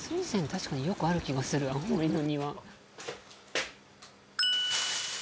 確かによくある気がする青森の庭。